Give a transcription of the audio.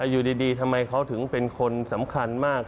อยู่ดีทำไมเขาถึงเป็นคนสำคัญมาก